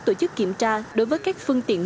tổ chức kiểm tra đối với các phương tiện